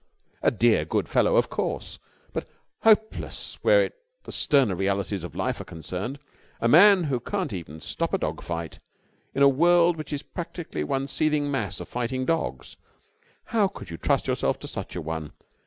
A dear, good fellow, of course, but hopeless where the sterner realities of life are concerned. A man who can't even stop a dog fight! In a world which is practically one seething mass of fighting dogs, how could you trust yourself to such a one?